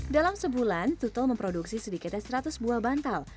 dalam sebulan tutel memproduksi sedikitnya seratus buah bantal